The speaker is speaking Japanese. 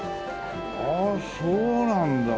ああそうなんだへえ。